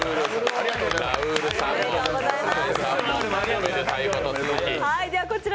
ありがとうございます。